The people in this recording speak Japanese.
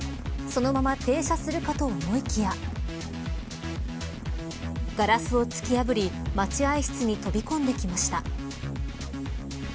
そのまま停車するかと思いきやガラスを突き破り待合室に飛び込んできました。